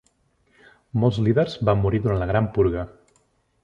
Molts líders van morir durant la Gran Purga.